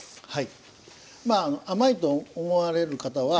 はい。